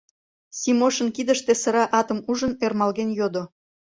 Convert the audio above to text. — Симошын кидыште сыра атым ужын ӧрмалген йодо.